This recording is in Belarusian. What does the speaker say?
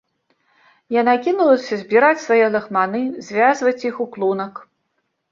Яна кінулася збіраць свае лахманы, звязваць іх у клунак.